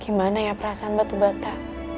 gimana ya perasaan batu bata